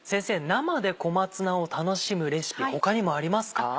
生で小松菜を楽しむレシピ他にもありますか？